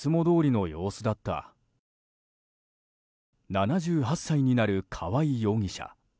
７８歳になる川合容疑者。